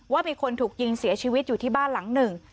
ว่ามีคนถูกยิงเสียชีวิตอยู่ที่บ้านหลังหนึ่ง